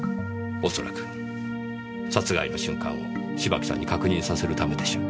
恐らく殺害の瞬間を芝木さんに確認させるためでしょう。